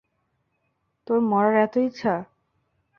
তোর মরার এতো ইচ্ছা!